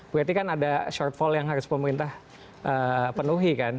berarti kan ada shortfall yang harus pemerintah penuhi kan